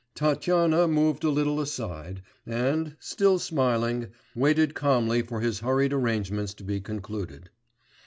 Tatyana moved a little aside, and, still smiling, waited calmly for his hurried arrangements to be concluded.